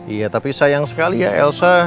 iya tapi sayang sekali ya elsa